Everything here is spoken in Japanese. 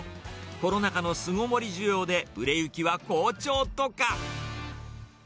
コロナ禍の巣ごもり需要で、売れ行きは好調とか。